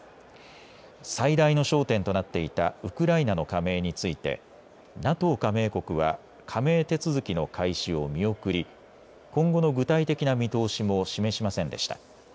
最大の焦点となっていたウクライナの加盟についてＮＡＴＯ加盟国は加盟手続きの開始を見送り、今後の具体的な見通しも示しませんでした。